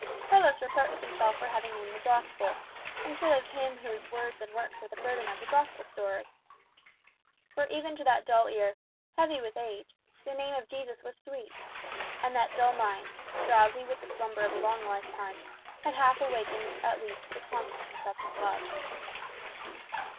Carlos reproached himself for having named the gospel, instead of Him whose words and works are the burden of the gospel story. For even to that dull ear, heavy with age, the name of Jesus was sweet. And that dull mind, drowsy with the slumber of a long lifetime, had half awaked at least to the consciousness of his love.